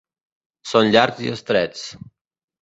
Són llargs i estrets.